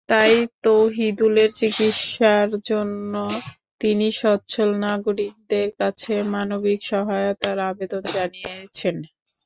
তাই তৌহিদুলের চিকিৎসার জন্য তিনি সচ্ছল নাগরিকদের কাছে মানবিক সহায়তার আবেদন জানিয়েছেন।